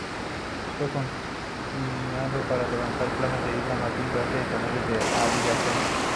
Fue comisionado para levantar planos de la isla Martín García y sus canales adyacentes.